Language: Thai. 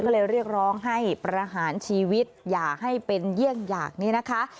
ก็เลยเรียกร้องให้ประหารชีวิตอย่าให้เป็นเยี่ยงอย่างนี้นะคะ